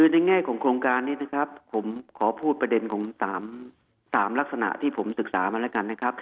ในแน่ของโครงการนี้ขอพูดประเด็นของ๓ลักษณะที่ผมศึกษามาละกันครับ